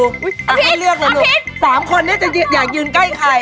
จะให้เลือกเลยลุสามคนจะอยู่อย่างยืนใกล้ใคร